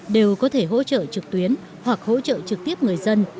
đều có thể hỗ trợ trực tuyến hoặc hỗ trợ trực tiếp người dân